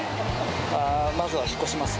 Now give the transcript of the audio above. ああ、まずは引っ越します。